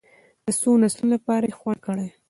د څو نسلونو لپاره یې خوندي کړي.